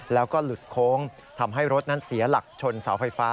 แล้วก็หลุดโค้งทำให้รถนั้นเสียหลักชนเสาไฟฟ้า